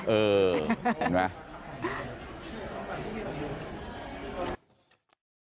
เออเห็นไหม